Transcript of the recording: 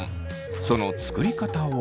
その作り方は。